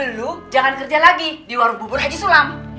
dulu jangan kerja lagi di warung bubur haji sulam